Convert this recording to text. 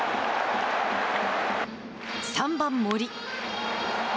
３番森。